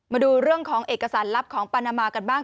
มาดูเรื่องของเอกสารลับของปานามากันบ้าง